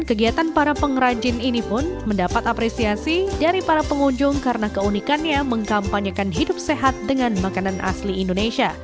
kegiatan para pengrajin ini pun mendapat apresiasi dari para pengunjung karena keunikannya mengkampanyekan hidup sehat dengan makanan asli indonesia